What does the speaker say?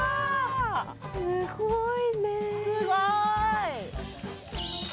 すごい！